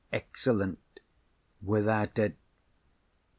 excellent ... without it